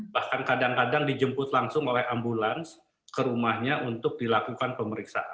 bahkan kadang kadang dijemput langsung oleh ambulans ke rumahnya untuk dilakukan pemeriksaan